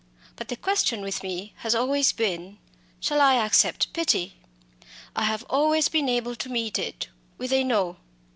But the question with me has always been, Shall I accept pity? I have always been able to meet it with a No!